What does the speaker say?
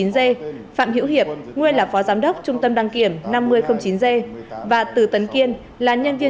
năm mươi chín g phạm hiễu hiệp nguyên là phó giám đốc trung tâm đăng kiểm năm mươi chín g và từ tấn kiên là nhân viên